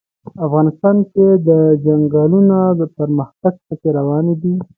افغانستان کې د چنګلونه د پرمختګ هڅې روانې دي.